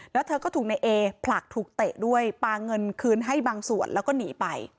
แล้วเธอก็ถูกในเอผลักถูกเตะด้วยปลาเงินคืนให้บางส่วนแล้วก็หนีไป